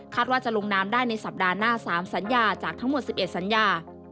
ว่าจะลงนามได้ในสัปดาห์หน้า๓สัญญาจากทั้งหมด๑๑สัญญา